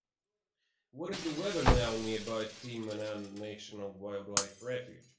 What is the weather now nearby Petit Manan National Wildlife Refuge?